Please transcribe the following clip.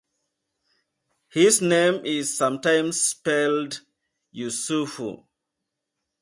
His name is sometimes spelled Yusufu.